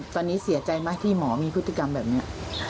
ตอนนี้เสียใจไหมที่หมอมีพฤติกรรมแบบนี้